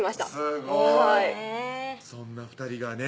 すごいそんな２人がね